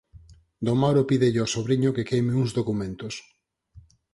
Don Mauro pídelle ao sobriño que queime uns documentos.